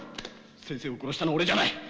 先生を殺したのは俺じゃない！